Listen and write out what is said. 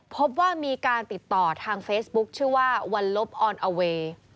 พบว่ามีการติดต่อทางเฟซบุ๊คชื่อว่าวันลบออนอเวย์